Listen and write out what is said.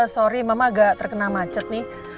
sorry memang agak terkena macet nih